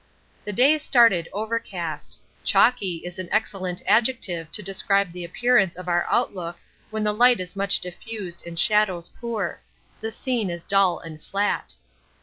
The day started overcast. Chalky is an excellent adjective to describe the appearance of our outlook when the light is much diffused and shadows poor; the scene is dull and flat.